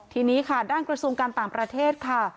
ทีนี้ค่ะด้านกระทรวงการต่างประเทศค่ะ